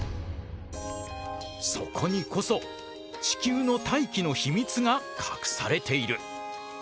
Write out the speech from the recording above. そこにこそ地球の大気の秘密が隠されている。